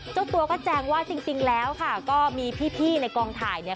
เจ้าตัวก็แจงว่าจริงแล้วค่ะก็มีพี่ในกองถ่ายเนี่ย